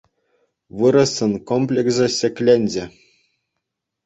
Вырӑссен комплексӗ ҫӗкленчӗ.